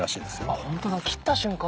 あっホントだ切った瞬間